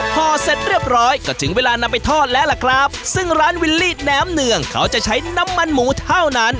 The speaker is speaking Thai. พอเสร็จเรียบร้อยก็ถึงเวลานำไปทอดแล้วล่ะครับซึ่งร้านวิลลี่แหนมเนืองเขาจะใช้น้ำมันหมูเท่านั้น